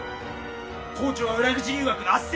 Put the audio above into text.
校長は裏口入学の斡旋。